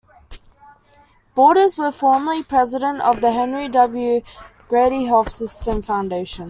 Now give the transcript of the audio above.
Borders was formerly President of the Henry W. Grady Health System Foundation.